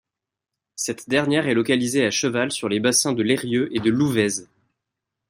Cette dernière est localisée à cheval sur les bassins de l'Eyrieux et de l'Ouvèze.